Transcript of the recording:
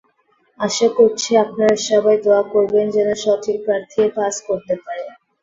আশা করছি, আপনারা সবাই দোয়া করবেন যেন সঠিক প্রার্থী পাস করতে পারে।